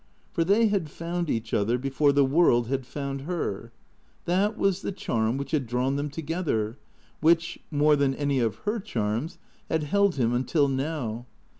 For they had found each other before the world had found her. That was the charm which had drawn tlicm together, which, more than any of her charms, had held him until now.